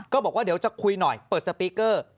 บอกว่าเดี๋ยวจะคุยหน่อยเปิดสปีกเกอร์